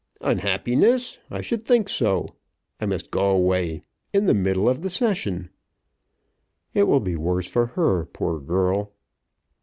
"Unhappiness! I should think so. I must go away, in the middle of the Session." "It will be worse for her, poor girl."